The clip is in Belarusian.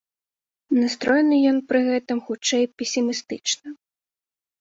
Настроены ён пры гэтым хутчэй песімістычна.